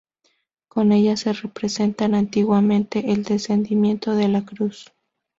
Con ella se representaba antiguamente el descendimiento de la Cruz.